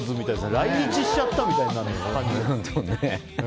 来日しちゃったみたいな感じ。